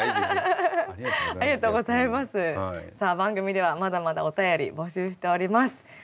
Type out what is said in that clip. さあ番組ではまだまだお便り募集しております。